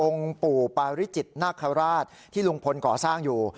ปู่ปาริจิตนาคาราชที่ลุงพลก่อสร้างอยู่